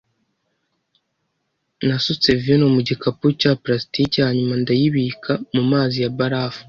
Nasutse vino mu gikapu cya plastiki hanyuma ndayibika mu mazi ya barafu.